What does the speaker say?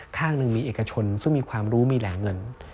ข้างหนึ่งมีเอกชนซึ่งมีความรู้มีแหล่งเงิน